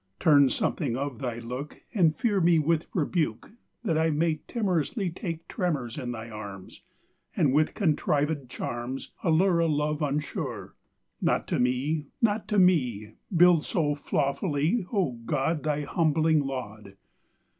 Turn something of Thy look, And fear me with rebuke, That I May timorously Take tremors in Thy arms, And with contrivèd charms Allure A love unsure. Not to me, not to me, Builded so flawfully, O God, Thy humbling laud!